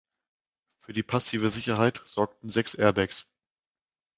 Für die passive Sicherheit sorgten sechs Airbags.